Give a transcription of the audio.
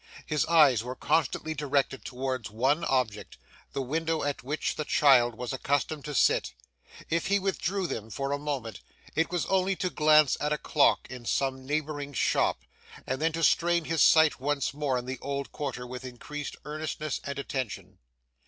His eyes were constantly directed towards one object; the window at which the child was accustomed to sit. If he withdrew them for a moment, it was only to glance at a clock in some neighbouring shop, and then to strain his sight once more in the old quarter with increased earnestness and attention.